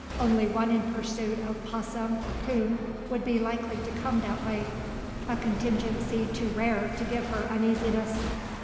Only one in pursuit of 'possum, or 'coon, would be likely to come that way; a contingency too rare to give her uneasiness.